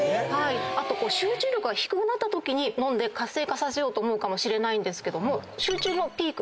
あと集中力が低くなったときに飲んで活性化させようと思うかもしれないんですけども集中のピーク